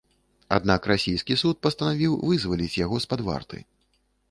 Аднак расійскі суд пастанавіў вызваліць яго з-пад варты.